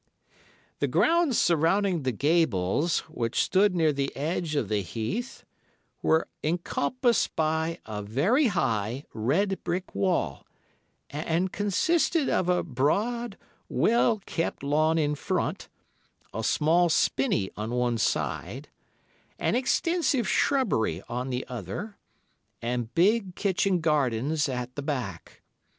"The grounds surrounding 'The Gables,' which stood near the edge of the heath, were encompassed by a very high, red brick wall, and consisted of a broad, well kept lawn in front, a small spinney on one side, an extensive shrubbery on the other, and big kitchen gardens at the back.